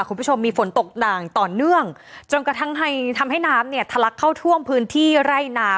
คุณผู้ชมมีฝนตกด่างต่อเนื่องจนกระทั่งให้ทำให้น้ำเนี่ยทะลักเข้าท่วมพื้นที่ไร่นา